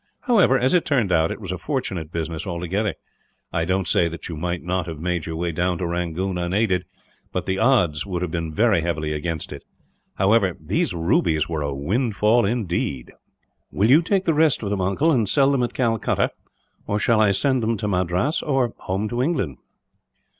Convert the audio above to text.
However, as it turned out, it was a fortunate business, altogether. I don't say that you might not have made your way down to Rangoon, unaided; but the odds would have been very heavily against it. However, these rubies were a windfall, indeed." "Will you take the rest of them, uncle, and sell them at Calcutta or shall I send them to Madras, or home to England?"